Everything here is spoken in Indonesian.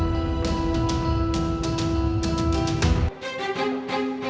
kalau gak gue mau ke sekolah